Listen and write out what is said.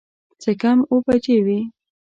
څه کم اووه بجې وې.